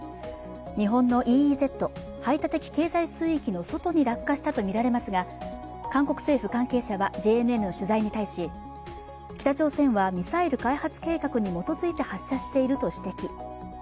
日本のＥＥＺ＝排他的経済水域の外に落下したとみられますが韓国政府関係者はＪＮＮの取材に対し北朝鮮はミサイル開発計画に基づいて発射していると指摘。